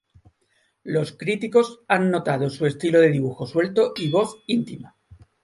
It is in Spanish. Los críticos han notado su estilo de dibujo suelto y voz íntima.